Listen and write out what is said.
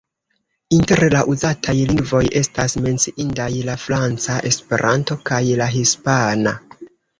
Inter la uzataj lingvoj estas menciindaj la franca, Esperanto kaj la hispana.